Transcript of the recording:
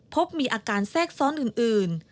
พบมีอาการแทรกซ้อนอื่น